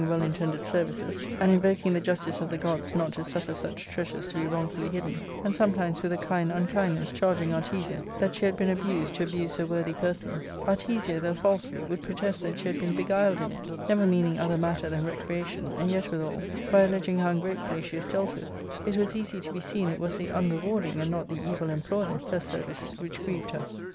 — Book TIL intended services, and invoking the justice of the gods not to suffer such treasures to be wrongfully hidden, and some times with a kind unkindness charging Artesia that she4iad been abused to abuse so worthy persons, Artesia, though falsely, would protest that she had been beguiled in it, never meaning other matter than recreation, and yet withal, by alleging how ungratefully she was dealt with, it was easy to be seen it was the unrewarding, and not the evil employing, her service which grieved her.